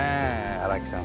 荒木さん